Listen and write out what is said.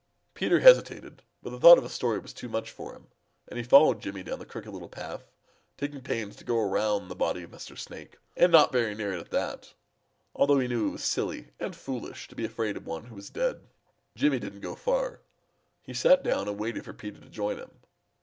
Peter hesitated, but the thought of a story was too much for him, and he followed Jimmy down the Crooked Little Path, taking pains to go around the body of Mr. Snake and not very near it at that, although he knew it was silly and foolish to be afraid of one who was dead. Jimmy didn't go far. He sat down and waited for Peter to join him.